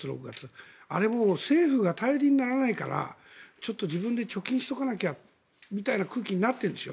あれも政府が頼りにならないからちょっと自分で貯金しておかなきゃみたいな空気になってるんでしょ。